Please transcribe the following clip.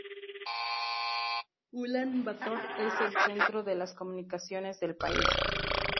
Ulán Bator es el centro de las comunicaciones del país.